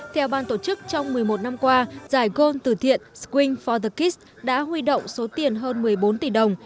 theo ban tổ chức trong một mươi một năm qua giải gốc từ thiện swing for the kids đã huy động số tiền hơn một mươi bốn tỷ đồng